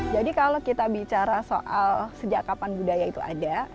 jadi kalau kita bicara soal sejak kapan budaya itu ada